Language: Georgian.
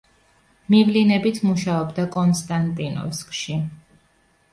მივლინებით მუშაობდა კონსტანტინოვსკში.